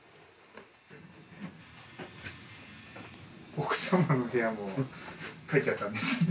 奥様の部屋も描いちゃったんですね。